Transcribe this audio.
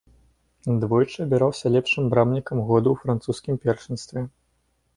Двойчы абіраўся лепшым брамнікам года ў французскім першынстве.